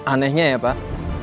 anehnya ya pak